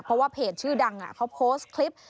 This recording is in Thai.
เพราะว่าเพจชื่อดังเขาโพสต์คลิป